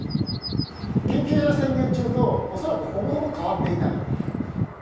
緊急事態宣言中と、恐らくほぼほぼ変わっていない。